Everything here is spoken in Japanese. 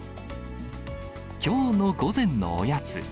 きょうの午前のおやつ。